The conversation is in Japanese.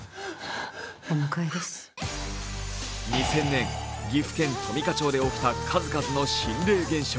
２０００年、岐阜県富加町で起きた数々の心霊現象。